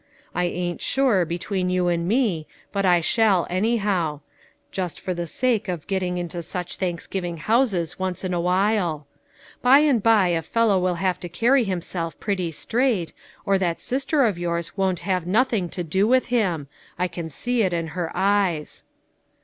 I ain't sure, between you and me, but I shall, anyhow; just for the sake of getting into sueh Thanksgiving houses once in awhile. By and by a fellow will have to carry himself pretty straight, or that sister of yours won't have nothing to do with him ; I can see that in her eyes."